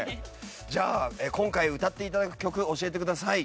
じゃあ今回歌って頂く曲教えてください。